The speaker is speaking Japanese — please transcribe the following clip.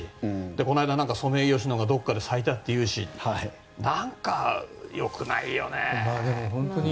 この間、ソメイヨシノがどこかで咲いたっていうし何か良くないよね。